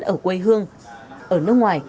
ở quê hương ở nước ngoài